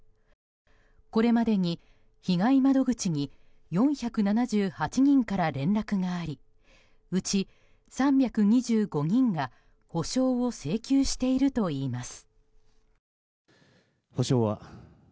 これまでに被害窓口に４７８人から連絡がありうち３２５人が補償を請求しているといいます。